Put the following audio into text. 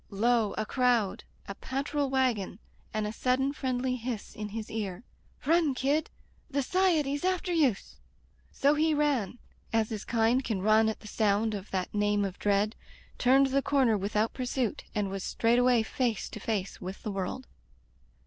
Lo! a crowd, a patrol wagon, and a sud den friendly hiss in his ear: "Run, kid! The S'iety's after youse!'' So he ran, as his kind can run at the sound of that name of dread, turned the corner without pursuit, and was straightway face to face with the world.